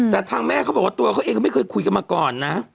แต่ทางแม่เขาบอกว่าตัวเขาเองก็ไม่เคยคุยกันมาก่อนนะ